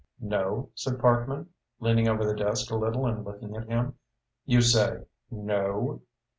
"No?" said Parkman, leaning over the desk a little and looking at him. "You say no?"